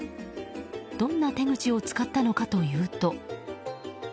どんな手口を使ったのかというと。